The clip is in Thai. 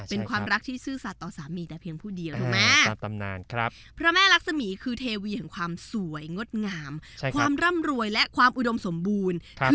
เป็นความรักที่ชื่อสัตว์ต่อสามีแต่เพียงผู้เดียวพระแม่รักษมีคือเทวียงความสวยงดงามความร่ำรวยและความอุดมสมบูรณ์